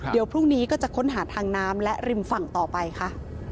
เดี๋ยวพรุ่งนี้ก็จะค้นหาทางน้ำและริมฝั่งต่อไปค่ะ